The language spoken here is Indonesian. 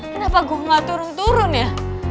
kenapa gue gak turun turun ya